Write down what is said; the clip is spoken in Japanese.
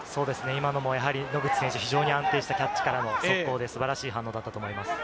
今のも野口選手、非常に安定したキャッチからの速攻で素晴らしい反応だったと思います。